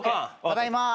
・ただいまー。